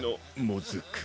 もずく。